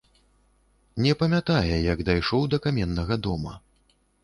Не памятае, як дайшоў да каменнага дома.